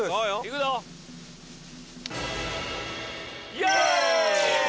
イエーイ！